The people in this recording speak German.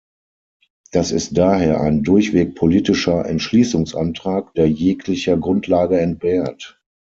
Das ist daher ein durchweg politischer Entschließungsantrag, der jeglicher Grundlage entbehrt.